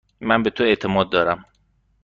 من به تو اعتماد دارم.